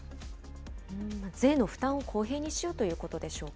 税の負担を公平にしようということでしょうか。